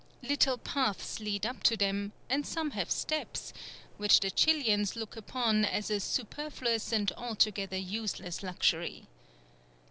Little paths lead up to them, and some have steps, which the Chilians look upon as a superfluous and altogether useless luxury.